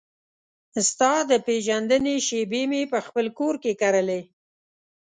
ستا د پیژندنې شیبې مې پخپل کور کې کرلې